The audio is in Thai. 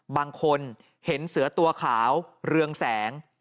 บางคนเห็นเสือตัวขาวเรืองแสง